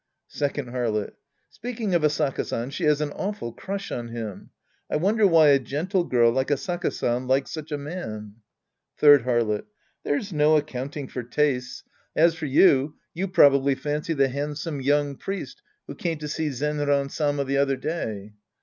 Second Harlot. Speaking of Asaka San, she has an awful crush on liim. I wonder why a gentle girl like Asaka San likes such a man. '^hird Harlot. There's no accounting for tastes, 96 The Priest and His Disciples Act III As for you, you probably fancy the handsome young priest who came to see Zenran Sama the other day.